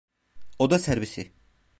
Oda servisi.